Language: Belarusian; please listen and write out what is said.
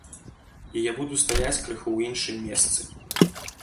І я буду стаяць крыху ў іншым месцы.